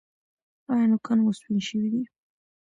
ایا نوکان مو سپین شوي دي؟